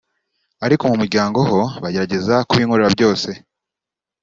ariko mu muryango ho bagerageza kubinkorera byose